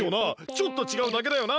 ちょっとちがうだけだよな？